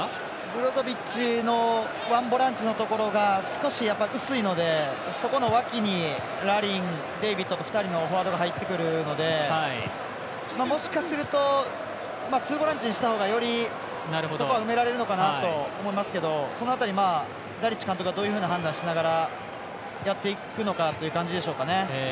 ブロゾビッチのワンボランチのところが少し薄いので、そこの脇にラリン、デイビッドと２人のフォワードが入ってくるのでもしかするとツーボランチにしたほうがより、そこは埋められるのかなと思いますけどその辺りダリッチ監督がどういうふうな判断しながらやっていくのかっていう感じでしょうね。